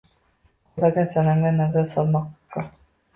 Uxlagan sanamga nazar solmoqqa.